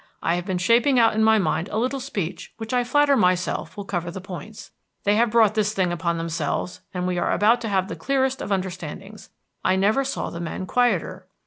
"I have been shaping out in my mind a little speech which I flatter myself will cover the points. They have brought this thing upon themselves, and we are about to have the clearest of understandings. I never saw the men quieter."